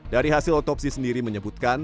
dari hasil otopsi sendiri menyebutkan